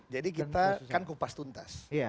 jadi kita kan kupas tuntas